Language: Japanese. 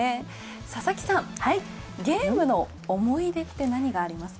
佐々木さん、ゲームの思い出って何がありますか？